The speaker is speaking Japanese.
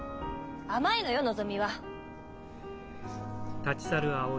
甘いのよのぞみは！